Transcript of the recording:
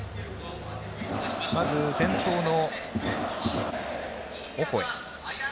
まず、先頭のオコエ。